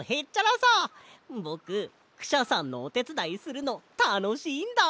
ぼくクシャさんのおてつだいするのたのしいんだ！